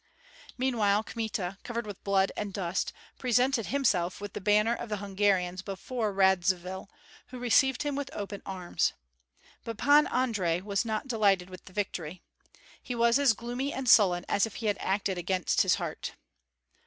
Meanwhile Kmita, covered with blood and dust, presented himself with the banner of the Hungarians before Radzivill, who received him with open arms. But Pan Andrei was not delighted with the victory. He was as gloomy and sullen as if he had acted against his heart.